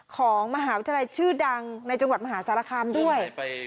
ของมหาวิทยาลัยชื่อดังในจังหวัดมหาสารคามด้วย